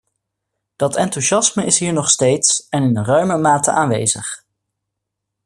Dat enthousiasme is hier nog steeds en in ruime mate aanwezig.